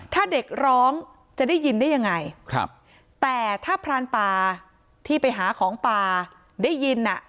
ถ้าเด็กร้องจะได้ยินได้ยังไงครับแต่ถ้าพรานป่าที่ไปหาของป่าได้ยินอ่ะ